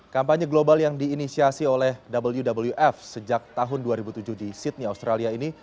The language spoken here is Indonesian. kampanye global yang diinisiasi oleh wwf sejak tahun dua ribu tujuh di sydney australia ini